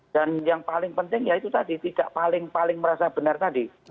dan yang paling penting ya itu tadi tidak paling paling merasa benar tadi